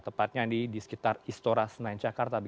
tepatnya di sekitar istora senayan jakarta